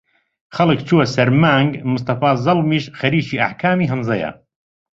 خەڵک چووە سەر مانگ مستەفا زەڵمیش خەریکی ئەحکامی هەمزیە